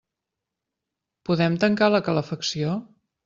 Podem tancar la calefacció?